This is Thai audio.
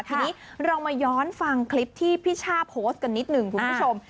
ทีนี้เรามาย้อนฟังคลิปที่พี่ช่าโพสต์กันนิดหนึ่งคุณผู้ชม